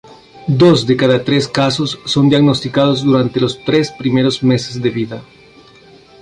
Dos de cada tres casos son diagnosticados durante los tres primeros meses de vida.